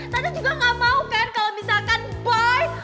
tante juga gak mau kan kalo misalkan boy